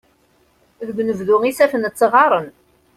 Deg unebdu isaffen ttɣaren.